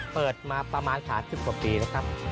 เปิดมาประมาณ๓๐กว่าปีแล้วครับ